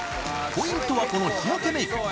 ポイントはこの日焼けメイク